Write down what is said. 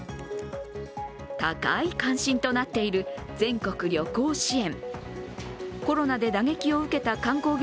高い関心となっている全国旅行支援。